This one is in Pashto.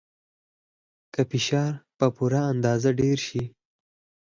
که فشار په پوره اندازه ډیر شي.